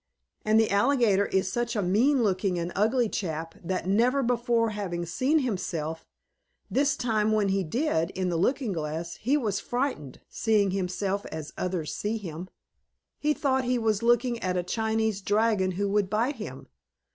"And the alligator is such a mean looking and ugly chap, that, never before having seen himself, this time when he did, in the looking glass, he was frightened, seeing himself as others see him. He thought he was looking at a Chinese dragon who would bite him.